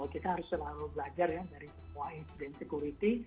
kita harus selalu belajar ya dari semua insident security